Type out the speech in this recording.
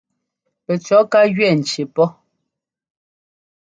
Pɛcʉ̈ ká jʉɛ ŋcí pɔ́.